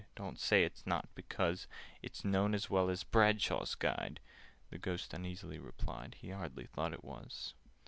"Don't say it's not, because It's known as well as Bradshaw's Guide!" (The Ghost uneasily replied He hardly thought it was).